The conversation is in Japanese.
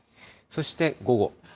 そして、午後。